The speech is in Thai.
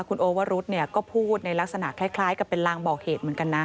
คุณโอวรุธก็พูดในลักษณะคล้ายกับเป็นลางบอกเหตุเหมือนกันนะ